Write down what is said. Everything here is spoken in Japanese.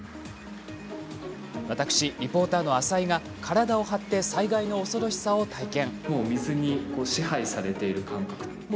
私、リポーターの浅井が体を張って災害の恐ろしさを体験。